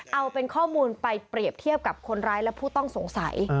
เอาเป็นข้อมูลไปเปรียบเทียบกับคนร้ายและผู้ต้องสงสัย